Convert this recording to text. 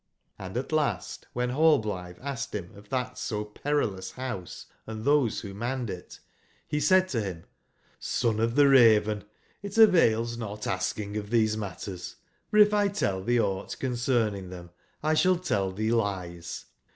Hnd at last wben Hallblitbe asked bim of tbat so perilous bouse andtbose wbo manned it, be said to bim:*'Sonof tbeRaven, itavailsnotaskingoftbese matters; for if 1 tell tbee augbt concerning tbem 1 sball tell tbee lies.